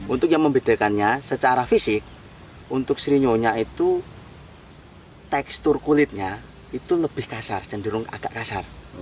untuk yang membedakannya secara fisik untuk sirinyonya itu tekstur kulitnya itu lebih kasar cenderung agak kasar